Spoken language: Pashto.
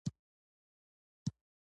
هغه انلاين خريد کولو